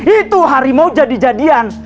itu harimau jadi jadian